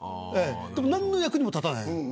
でも何の役にも立たない。